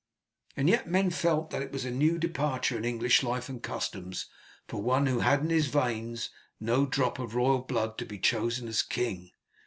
And yet men felt that it was a new departure in English life and customs for one who had in his veins no drop of royal blood to be chosen as king.